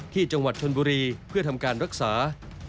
ที่จังหวัดชนบุรีเพื่อทำการรักษา